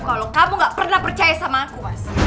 kalau kamu gak pernah percaya sama aku mas